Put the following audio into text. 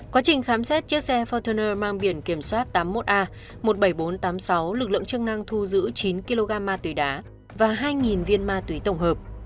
quá trình khám xét chiếc xe fortuner mang biển kiểm soát tám mươi một a một mươi bảy nghìn bốn trăm tám mươi sáu lực lượng chức năng thu giữ chín kg ma túy đá và hai viên ma túy tổng hợp